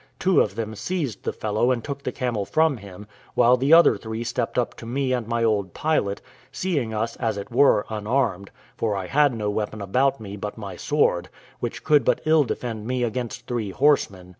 Two of them seized the fellow and took the camel from him, while the other three stepped up to me and my old pilot, seeing us, as it were, unarmed, for I had no weapon about me but my sword, which could but ill defend me against three horsemen.